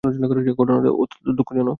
ঘটনাটা দুঃখজনক ছিল।